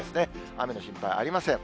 雨の心配はありません。